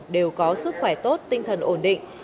đều có sức khỏe tốt tinh thần ổn định